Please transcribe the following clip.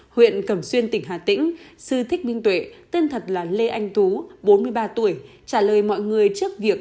huyện cẩm xuyên tỉnh hà tĩnh sư thích minh tuệ tên thật là lê anh tú bốn mươi ba tuổi trả lời mọi người trước việc